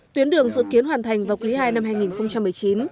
tuyến đường dự kiến hoàn thành vào quý ii năm hai nghìn một mươi chín